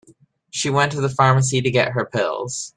She went to the pharmacy to get her pills.